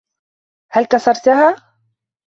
هل كسرتها؟